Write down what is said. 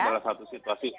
ya mas adit